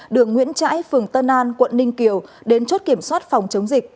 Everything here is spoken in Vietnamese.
đường nguyễn trãi phường tân an quận ninh kiều đến chốt kiểm soát phòng chống dịch